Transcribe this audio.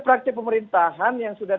praktik pemerintahan yang sudah